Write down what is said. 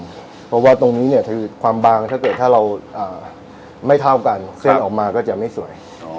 เพราะว่าตรงนี้เนี่ยคือความบางถ้าเกิดถ้าเราไม่เท่ากันเส้นออกมาก็จะไม่สวย